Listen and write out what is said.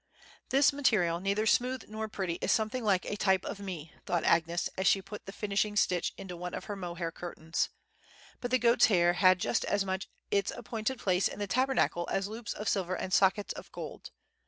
"This material, neither smooth nor pretty, is something like a type of me," thought Agnes, as she put the finishing stitch into one of her mohair curtains; "but the goats' hair had just as much its appointed place in the Tabernacle as loops of silver and sockets of gold.